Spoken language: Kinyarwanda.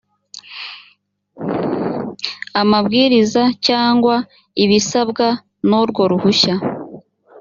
amabwiriza cyangwa ibisabwa n urwo ruhushya